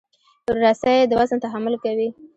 رسۍ د وزن تحمل کوي.